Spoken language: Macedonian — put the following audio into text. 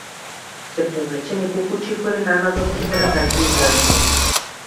Се повлече неколку чекори наназад и брзајќи излезе.